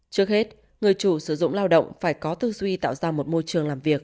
trước hết người chủ sử dụng lao động phải có tư duy tạo ra một môi trường làm việc